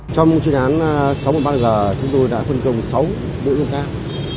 trong chuyên án sáu trăm một mươi ba g chúng tôi đã phân công sáu bộ nhân khác